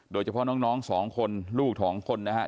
โดยเฉพาะน้อง๒คนลูก๒คนนะฮะ